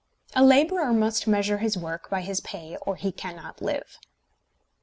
A labourer must measure his work by his pay or he cannot live.